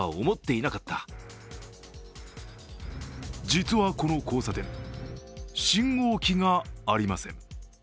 実はこの交差点、信号機がありません。